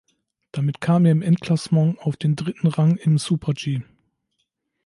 Damit kam er im Endklassement auf den dritten Rang im Super-G.